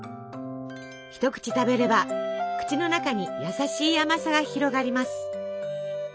一口食べれば口の中に優しい甘さが広がります。